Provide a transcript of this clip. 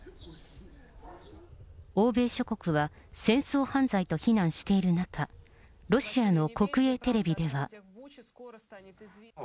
欧米諸国は戦争犯罪と非難している中、ロシアの国営テレビでは。